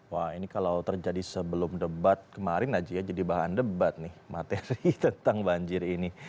wah ini kalau terjadi sebelum debat kemarin naji ya jadi bahan debat nih materi tentang banjir ini